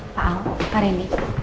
pak al pak rendy